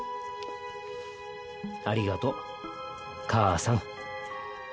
ありがとうかあさん。